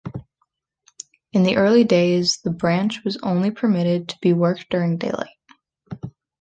In the early days the branch was only permitted to be worked during daylight.